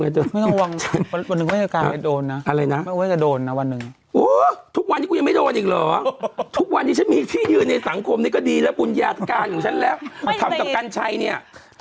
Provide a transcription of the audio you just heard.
ต้องระวังตัวทุกวันใช่ไหม๑๐เมธิ์